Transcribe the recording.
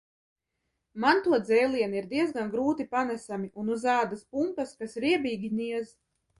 Man to dzēlieni ir diezgan grūti panesami un uz ādas pumpas, kas riebīgi niez.